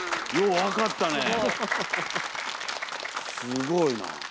すごいな。